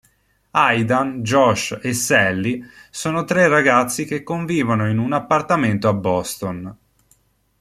Aidan, Josh e Sally sono tre ragazzi che convivono in un appartamento a Boston.